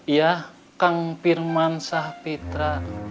iya kang firman sahfitra